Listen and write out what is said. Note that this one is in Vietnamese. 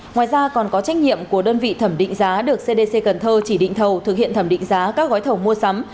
ngoài ra còn có trách nhiệm của đơn vị thẩm định giá được cdc cần thơ chỉ định thầu thực hiện thẩm định giá các gói thầu mua sắm